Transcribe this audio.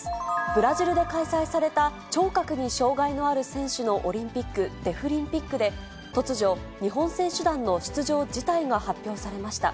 ブラジルで開催された聴覚に障がいのある選手のオリンピック、デフリンピックで、突如、日本選手団の出場辞退が発表されました。